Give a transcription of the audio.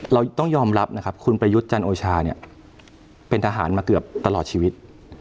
เราต้องยอมรับนะครับคุณประยุทธ์จันโอชาเนี่ยเป็นทหารมาเกือบตลอดชีวิต